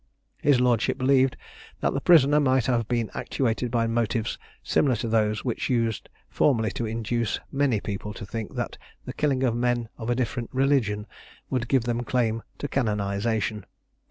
His lordship believed that the prisoner might have been actuated by motives similar to those which used formerly to induce many people to think that the killing of men of a different religion would give them a claim to canonization.